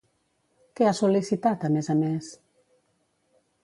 Què ha sol·licitat, a més a més?